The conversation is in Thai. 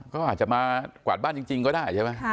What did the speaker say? ก็อาจจะมากวาดบ้านจริงก็ได้ใช่ไหม